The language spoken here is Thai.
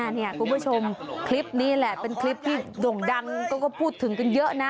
เนี่ยคุณผู้ชมคลิปนี้แหละเป็นคลิปที่โด่งดังก็พูดถึงกันเยอะนะ